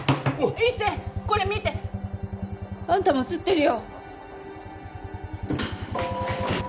一星これ見て！あんたも写ってるよ！